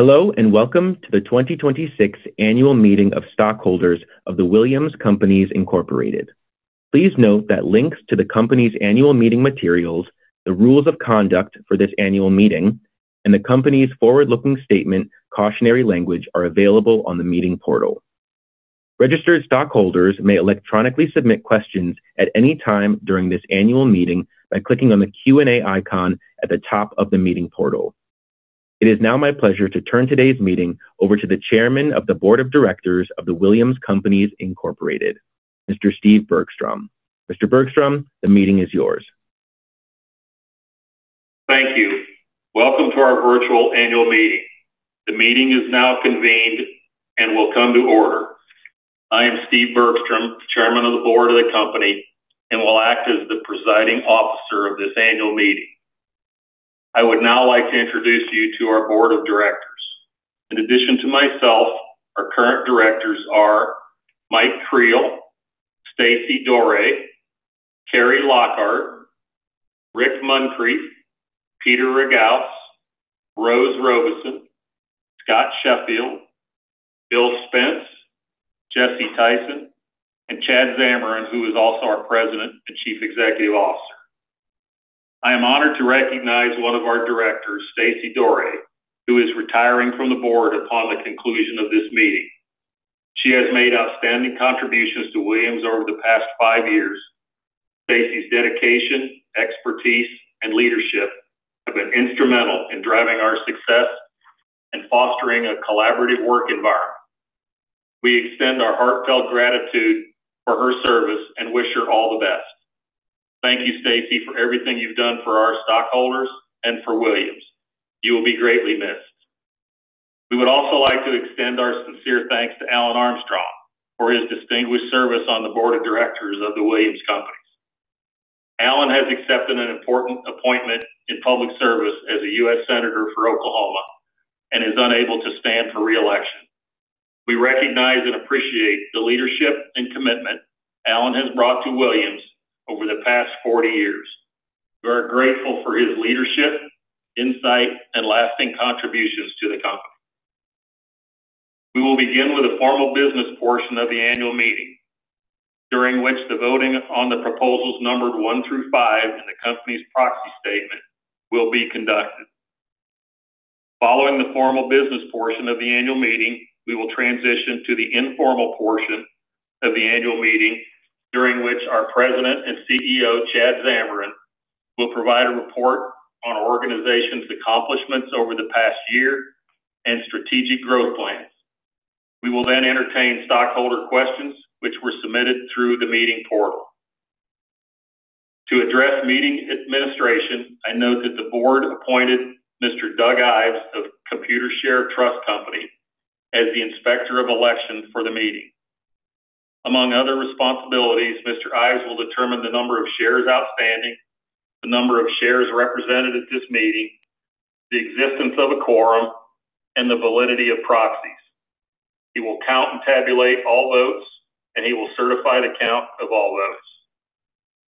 Hello, welcome to the 2026 annual meeting of stockholders of The Williams Companies, Inc. Please note that links to the company's annual meeting materials, the rules of conduct for this annual meeting, and the company's forward-looking statement cautionary language are available on the meeting portal. Registered stockholders may electronically submit questions at any time during this annual meeting by clicking on the Q&A icon at the top of the meeting portal. It is now my pleasure to turn today's meeting over to the Chairman of the Board of Directors of The Williams Companies, Inc., Mr. Stephen W. Bergstrom. Mr. Bergstrom, the meeting is yours. Thank you. Welcome to our virtual annual meeting. The meeting is now convened and will come to order. I am Stephen W. Bergstrom, Chairman of the Board of the company, and will act as the presiding officer of this annual meeting. I would now like to introduce you to our board of directors. In addition to myself, our current directors are Michael A. Creel, Stacey H. Doré, Carri A. Lockhart, Richard E. Muncrief, Peter A. Ragauss, Rose M. Robeson, Scott D. Sheffield, William H. Spence, Jesse J. Tyson, and Chad J. Zamarin, who is also our President and Chief Executive Officer. I am honored to recognize one of our directors, Stacey H. Doré, who is retiring from the board upon the conclusion of this meeting. She has made outstanding contributions to Williams over the past five years. Stacey's dedication, expertise, and leadership have been instrumental in driving our success and fostering a collaborative work environment. We extend our heartfelt gratitude for her service and wish her all the best. Thank you, Stacey, for everything you've done for our stockholders and for Williams. You will be greatly missed. We would also like to extend our sincere thanks to Alan Armstrong for his distinguished service on the board of directors of The Williams Companies. Alan has accepted an important appointment in public service as a U.S. Senator for Oklahoma and is unable to stand for re-election. We recognize and appreciate the leadership and commitment Alan has brought to Williams over the past 40 years. We are grateful for his leadership, insight, and lasting contributions to the company. We will begin with the formal business portion of the annual meeting, during which the voting on the proposals numbered 1 through 5 in the company's proxy statement will be conducted. Following the formal business portion of the annual meeting, we will transition to the informal portion of the annual meeting, during which our President and CEO, Chad Zamarin, will provide a report on our organization's accomplishments over the past year and strategic growth plans. We will then entertain stockholder questions which were submitted through the meeting portal. To address meeting administration, I note that the board appointed Mr. Doug Ives of Computershare Trust Company as the Inspector of Election for the meeting. Among other responsibilities, Mr. Ives will determine the number of shares outstanding, the number of shares represented at this meeting, the existence of a quorum, and the validity of proxies. He will count and tabulate all votes, and he will certify the count of all votes.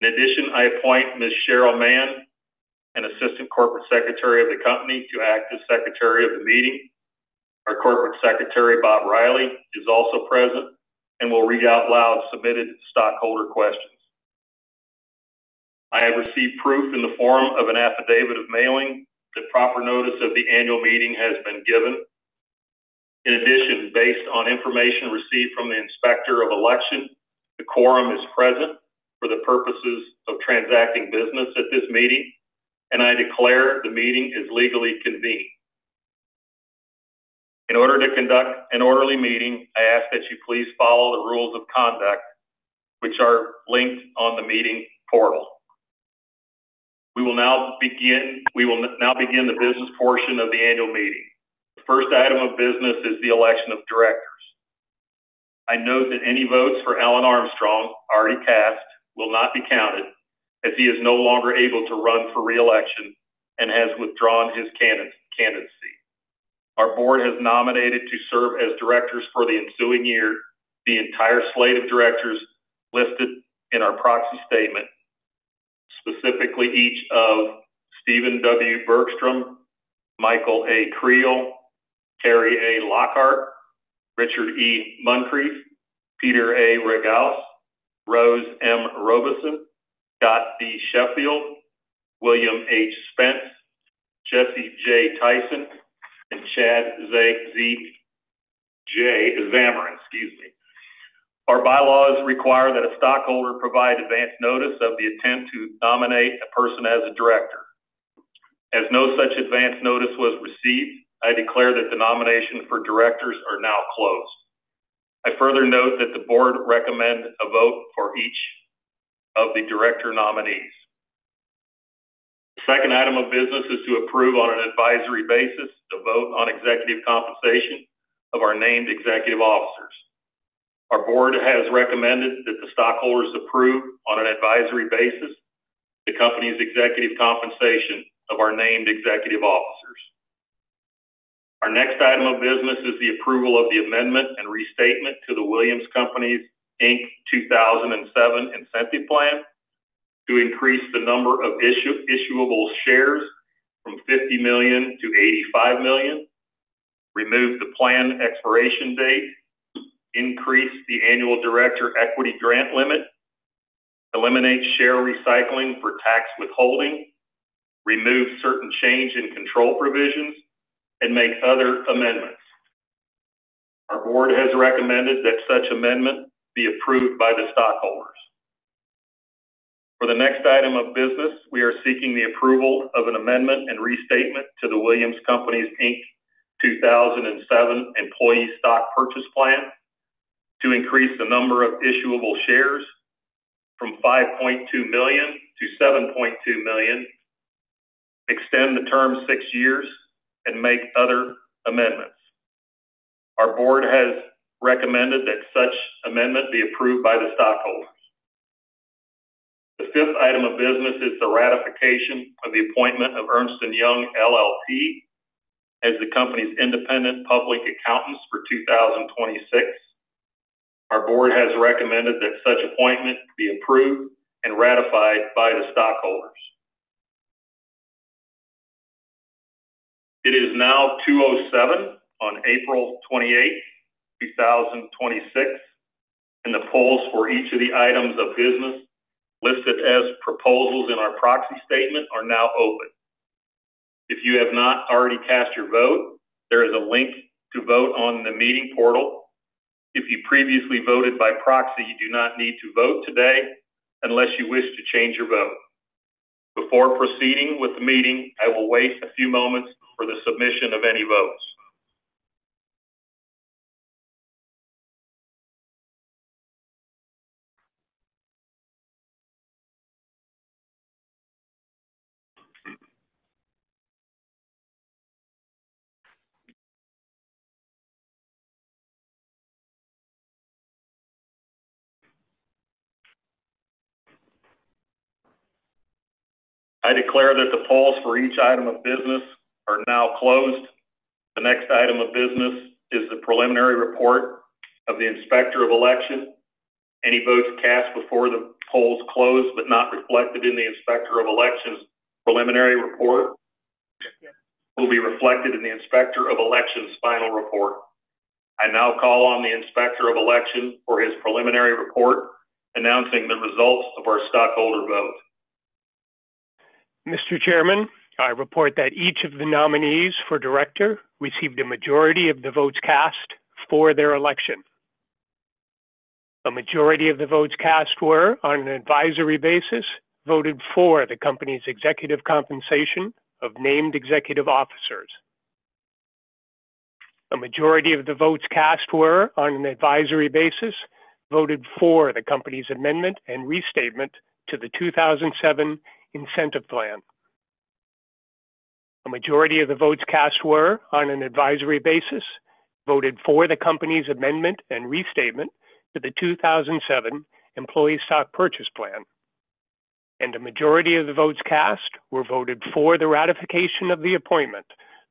In addition, I appoint Ms. Cheryl Mann, an Assistant Corporate Secretary of the company, to act as Secretary of the meeting. Our corporate secretary, Bob Riley, is also present and will read out loud submitted stockholder questions. I have received proof in the form of an affidavit of mailing that proper notice of the annual meeting has been given. In addition, based on information received from the Inspector of Election, the quorum is present for the purposes of transacting business at this meeting, and I declare the meeting is legally convened. In order to conduct an orderly meeting, I ask that you please follow the rules of conduct which are linked on the meeting portal. We will now begin the business portion of the annual meeting. The first item of business is the election of directors. I note that any votes for Alan Armstrong already cast will not be counted as he is no longer able to run for re-election and has withdrawn his candidacy. Our board has nominated to serve as directors for the ensuing year the entire slate of directors listed in our proxy statement, specifically each of Stephen W. Bergstrom, Michael A. Creel, Carri A. Lockhart, Richard E. Muncrief, Peter A. Ragauss, Rose M. Robeson, Scott D. Sheffield, William H. Spence, Jesse J. Tyson, and Chad J. Zamarin. Excuse me. Our bylaws require that a stockholder provide advance notice of the intent to nominate a person as a director. As no such advance notice was received, I declare that the nominations for directors are now closed. I further note that the board recommend a vote for each of the director nominees. The second item of business is to approve on an advisory basis the vote on executive compensation of our named executive officers. Our board has recommended that the stockholders approve on an advisory basis the company's executive compensation of our named executive officers. Our next item of business is the approval of the amendment and restatement to The Williams Companies, Inc. 2007 incentive plan to increase the number of issuable shares from 50 million to 85 million. Remove the plan expiration date. Increase the annual director equity grant limit. Eliminate share recycling for tax withholding. Remove certain change in control provisions and make other amendments. Our board has recommended that such amendment be approved by the stockholders. For the next item of business, we are seeking the approval of an amendment and restatement to The Williams Companies, Inc. 2007 employee stock purchase plan to increase the number of issuable shares from 5.2 million to 7.2 million, extend the term 6 years and make other amendments. Our board has recommended that such amendment be approved by the stockholders. The fifth item of business is the ratification of the appointment of Ernst & Young LLP as the company's independent public accountants for 2026. Our board has recommended that such appointment be approved and ratified by the stockholders. It is now 2:07 on 28th April 2026, and the polls for each of the items of business listed as proposals in our proxy statement are now open. If you have not already cast your vote, there is a link to vote on the meeting portal. If you previously voted by proxy, you do not need to vote today unless you wish to change your vote. Before proceeding with the meeting, I will wait a few moments for the submission of any votes. I declare that the polls for each item of business are now closed. The next item of business is the preliminary report of the Inspector of Election. Any votes cast before the polls close but not reflected in the Inspector of Election preliminary report will be reflected in the Inspector of Election final report. I now call on the Inspector of Election for his preliminary report announcing the results of our stockholder vote. Mr. Chairman, I report that each of the nominees for director received a majority of the votes cast for their election. A majority of the votes cast were, on an advisory basis, voted for the company's executive compensation of named executive officers. A majority of the votes cast were, on an advisory basis, voted for the company's amendment and restatement to the 2007 incentive plan. A majority of the votes cast were, on an advisory basis, voted for the company's amendment and restatement to the 2007 employee stock purchase plan. A majority of the votes cast were voted for the ratification of the appointment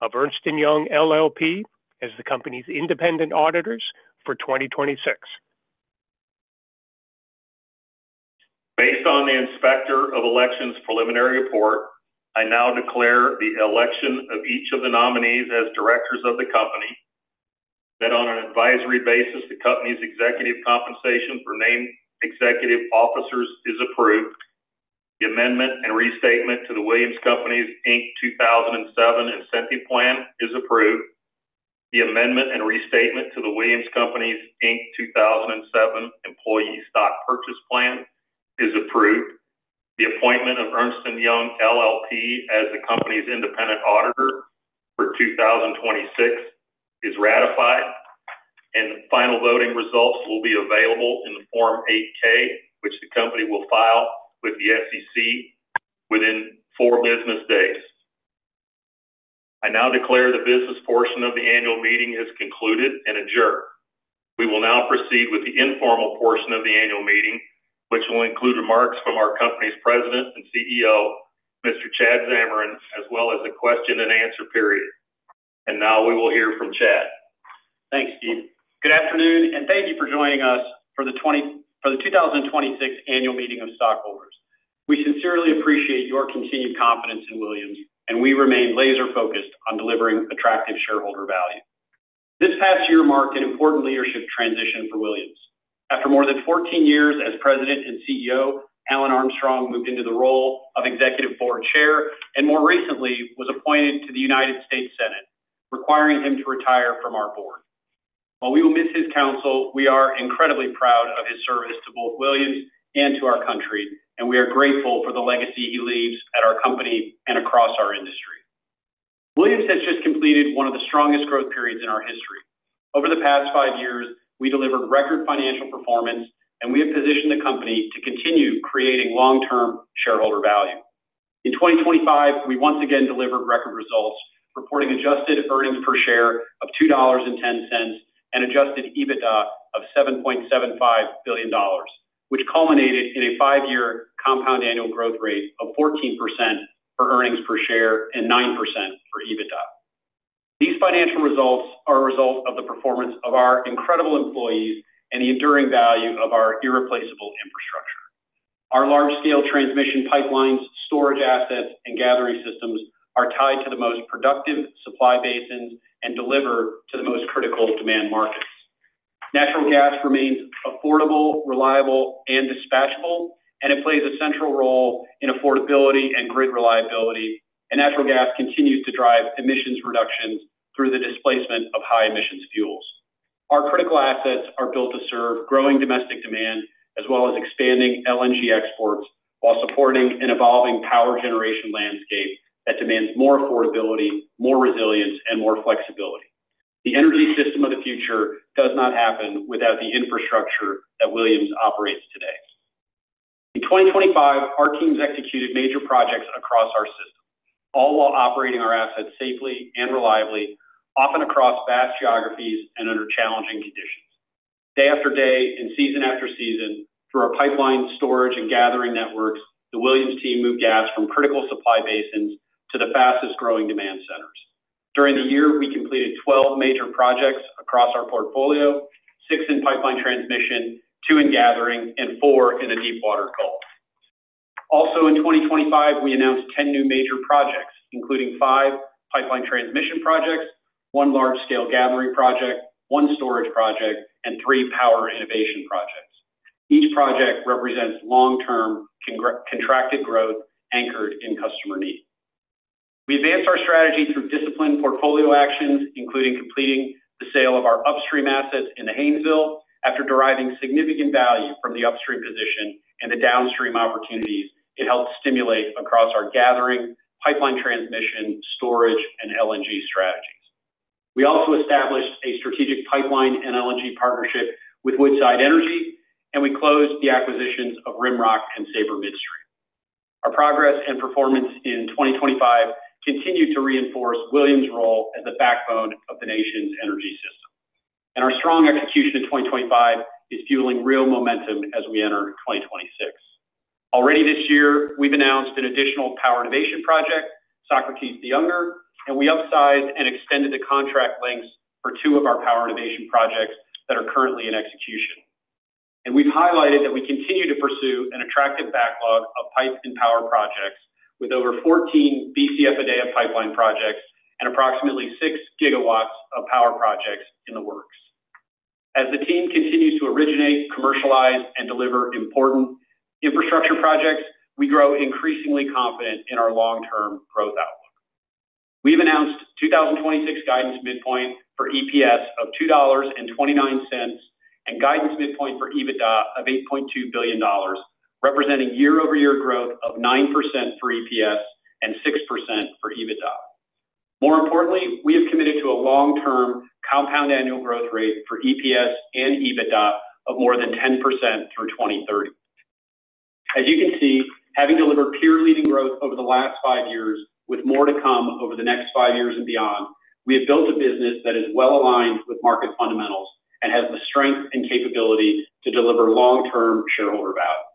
of Ernst & Young LLP as the company's independent auditors for 2026. Based on the Inspector of Elections preliminary report, I now declare the election of each of the nominees as directors of the company. That on an advisory basis, the company's executive compensation for named executive officers is approved. The amendment and restatement to The Williams Companies, Inc. 2007 incentive plan is approved. The amendment and restatement to The Williams Companies, Inc. 2007 employee stock purchase plan is approved. The appointment of Ernst & Young LLP as the company's independent auditor for 2026 is ratified. Final voting results will be available in the Form 8-K, which the company will file with the SEC within four business days. I now declare the business portion of the annual meeting is concluded and adjourned. We will now proceed with the informal portion of the annual meeting, which will include remarks from our company's President and CEO, Mr. Chad Zamarin, as well as a question and answer period. Now we will hear from Chad. Thanks, Steve. Good afternoon, and thank you for joining us for the 2026 annual meeting of stockholders. We sincerely appreciate your continued confidence in Williams, and we remain laser-focused on delivering attractive shareholder value. This past year marked an important leadership transition for Williams. After more than 14 years as President and CEO, Alan Armstrong moved into the role of Executive Board Chair and more recently was appointed to the United States Senate, requiring him to retire from our board. While we will miss his counsel, we are incredibly proud of his service to both Williams and to our country, and we are grateful for the legacy he leaves at our company and across our industry. Williams has just completed one of the strongest growth periods in our history. Over the past five years, we delivered record financial performance, and we have positioned the company to continue creating long-term shareholder value. In 2025, we once again delivered record results, reporting adjusted earnings per share of $2.10 and adjusted EBITDA of $7.75 billion, which culminated in a five year compound annual growth rate of 14% for earnings per share and 9% for EBITDA. These financial results are a result of the performance of our incredible employees and the enduring value of our irreplaceable infrastructure. Our large-scale transmission pipelines, storage assets, and gathering systems are tied to the most productive supply basins and deliver to the most critical demand markets. Natural gas remains affordable, reliable, and dispatchable, and it plays a central role in affordability and grid reliability. Natural gas continues to drive emissions reductions through the displacement of high emissions fuels. Our critical assets are built to serve growing domestic demand as well as expanding LNG exports while supporting an evolving power generation landscape that demands more affordability, more resilience, and more flexibility. The energy system of the future does not happen without the infrastructure that Williams operates today. In 2025, our teams executed major projects across our system, all while operating our assets safely and reliably, often across vast geographies and under challenging conditions. Day after day and season after season, through our pipeline storage and gathering networks, the Williams team moved gas from critical supply basins to the fastest-growing demand centers. During the year, we completed 12 major projects across our portfolio, six in pipeline transmission, two in gathering, and four in the Deepwater Gulf. Also in 2025, we announced 10 new major projects, including five pipeline transmission projects, one large-scale gathering project, one storage project, and three power innovation projects. Each project represents long-term contracted growth anchored in customer need. We advanced our strategy through disciplined portfolio actions, including completing the sale of our upstream assets in the Haynesville after deriving significant value from the upstream position and the downstream opportunities it helped stimulate across our gathering, pipeline transmission, storage, and LNG strategies. We also established a strategic pipeline and LNG partnership with Woodside Energy. We closed the acquisitions of Rimrock and Saber Midstream. Our progress and performance in 2025 continued to reinforce Williams' role as the backbone of the nation's energy system. Our strong execution in 2025 is fueling real momentum as we enter 2026. Already this year, we've announced an additional power innovation project, Socrates the Younger. We upsized and extended the contract lengths for two of our power innovation projects that are currently in execution. We've highlighted that we continue to pursue an attractive backlog of pipes and power projects with over 14 BCF a day of pipeline projects and approximately 6GW of power projects in the works. As the team continues to originate, commercialize, and deliver important infrastructure projects, we grow increasingly confident in our long-term growth outlook. We've announced 2026 guidance midpoint for EPS of $2.29, and guidance midpoint for EBITDA of $8.2 billion, representing year-over-year growth of 9% for EPS and 6% for EBITDA. More importantly, we have committed to a long-term compound annual growth rate for EPS and EBITDA of more than 10% through 2030. As you can see, having delivered peer-leading growth over the last five years with more to come over the next five years and beyond, we have built a business that is well-aligned with market fundamentals and has the strength and capability to deliver long-term shareholder value.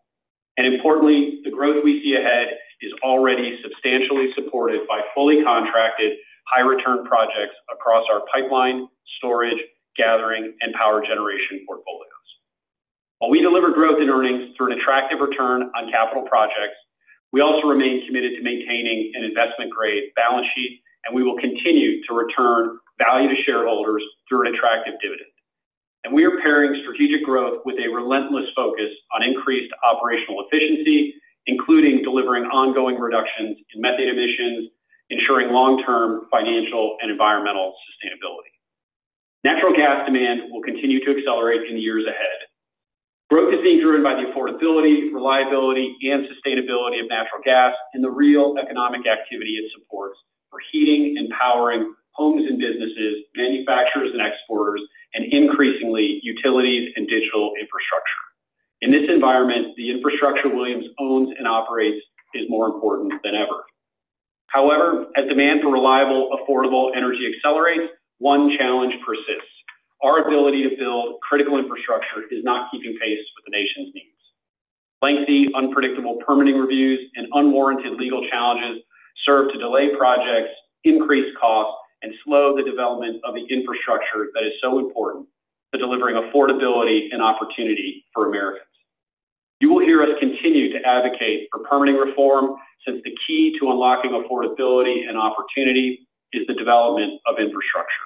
Importantly, the growth we see ahead is already substantially supported by fully contracted high-return projects across our pipeline, storage, gathering, and power generation portfolios. While we deliver growth in earnings through an attractive return on capital projects, we also remain committed to maintaining an investment-grade balance sheet, and we will continue to return value to shareholders through an attractive dividend. We are pairing strategic growth with a relentless focus on increased operational efficiency, including delivering ongoing reductions in methane emissions, ensuring long-term financial and environmental sustainability. Natural gas demand will continue to accelerate in years ahead. Growth is being driven by the affordability, reliability, and sustainability of natural gas and the real economic activity it supports for heating and powering homes and businesses, manufacturers and exporters, and increasingly, utilities and digital infrastructure. In this environment, the infrastructure Williams owns and operates is more important than ever. However, as demand for reliable, affordable energy accelerates, one challenge persists. Our ability to build critical infrastructure is not keeping pace with the nation's needs. Lengthy, unpredictable permitting reviews and unwarranted legal challenges serve to delay projects, increase costs, and slow the development of the infrastructure that is so important to delivering affordability and opportunity for Americans. You will hear us continue to advocate for permitting reform, since the key to unlocking affordability and opportunity is the development of infrastructure.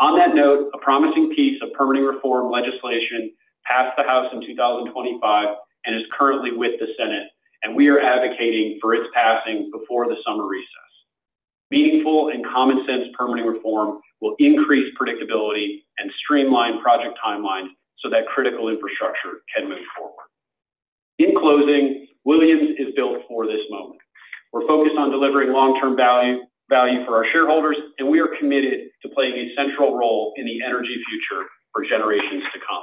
On that note, a promising piece of permitting reform legislation passed the House in 2025 and is currently with the Senate. We are advocating for its passing before the summer recess. Meaningful and common sense permitting reform will increase predictability and streamline project timelines so that critical infrastructure can move forward. In closing, Williams is built for this moment. We're focused on delivering long-term value for our shareholders. We are committed to playing a central role in the energy future for generations to come.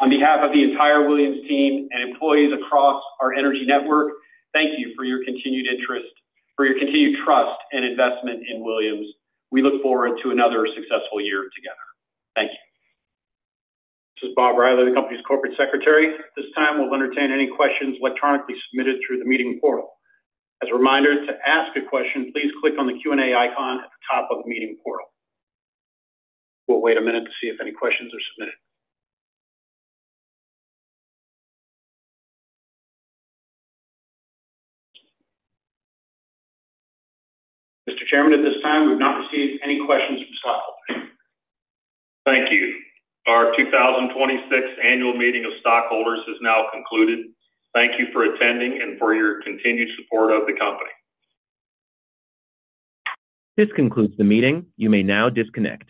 On behalf of the entire Williams team and employees across our energy network, thank you for your continued trust and investment in Williams. We look forward to another successful year together. Thank you. This is Bob Riley, the company's corporate secretary. At this time, we'll entertain any questions electronically submitted through the meeting portal. As a reminder, to ask a question, please click on the Q&A icon at the top of the meeting portal. We'll wait a minute to see if any questions are submitted. Mr. Chairman, at this time, we've not received any questions from stockholders. Thank you. Our 2026 annual meeting of stockholders is now concluded. Thank you for attending and for your continued support of the company. This concludes the meeting. You may now disconnect.